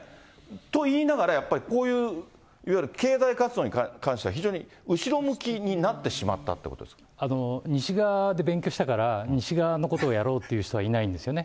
といいながらやっぱりこういういわゆる経済活動に関しては非常に後ろ向きになってしまったという西側で勉強したから西側のことをやろうっていう人はいないんですよね。